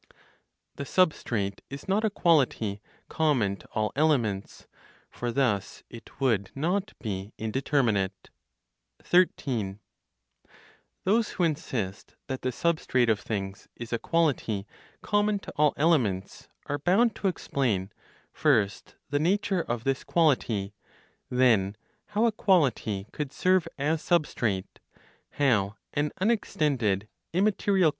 THE SUBSTRATE IS NOT A QUALITY COMMON TO ALL ELEMENTS; FOR THUS IT WOULD NOT BE INDETERMINATE. 13. Those who insist that the substrate of things is a quality common to all elements are bound to explain first the nature of this quality; then, how a quality could serve as substrate; how an unextended, immaterial